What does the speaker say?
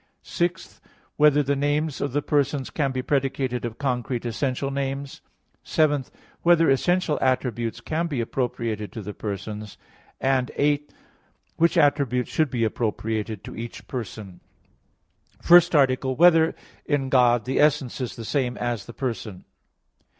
(6) Whether the names of the persons can be predicated of concrete essential names? (7) Whether essential attributes can be appropriated to the persons? (8) Which attributes should be appropriated to each person? _______________________ FIRST ARTICLE [I, Q. 39, Art. 1] Whether in God the Essence Is the Same As the Person?